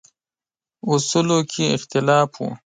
اصولو کې اختلاف و.